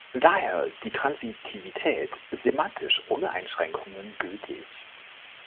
Daher ist die Transitivität semantisch ohne Einschränkungen gültig.